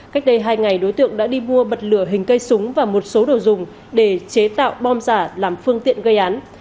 cách đây hai ngày đối tượng đã đi mua bật lửa hình cây súng và một số đồ dùng để chế tạo bom giả làm phương tiện gây án